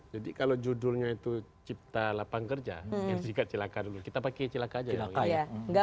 jadi kalau judulnya itu cipta lapang kerja kita pake cilaka aja ya bang